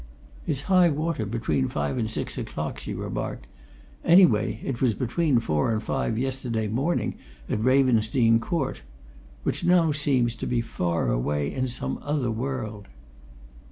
"It's high water between five and six o'clock," she remarked. "Anyway, it was between four and five yesterday morning at Ravensdene Court which now seems to be far away, in some other world."